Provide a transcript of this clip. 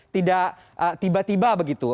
tidak tiba tiba begitu